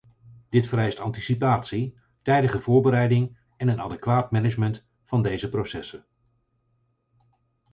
Dit vereist anticipatie, tijdige voorbereiding en een adequaat management van deze processen.